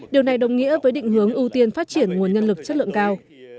điều này đồng nghĩa với định hướng ưu tiên phát triển nguồn nhân lực chất lượng cao